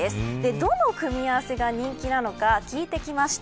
どの組み合わせが人気なのか聞いてきました。